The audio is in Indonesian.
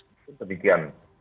itu seperti itu